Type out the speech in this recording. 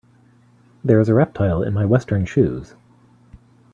There is a reptile in my western shoes.